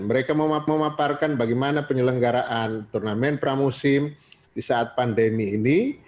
mereka memaparkan bagaimana penyelenggaraan turnamen pramusim di saat pandemi ini